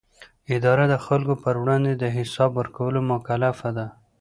اداره د خلکو پر وړاندې د حساب ورکولو مکلفه ده.